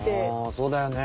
そうだね。